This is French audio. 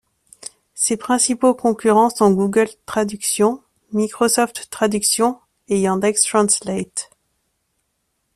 Ses principaux concurrents sont Google Traduction, Microsoft Traduction et Yandex Translate.